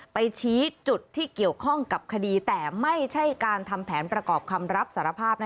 ไปชี้จุดที่เกี่ยวข้องกับคดีแต่ไม่ใช่การทำแผนประกอบคำรับสารภาพ